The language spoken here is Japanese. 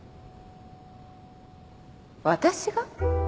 私が？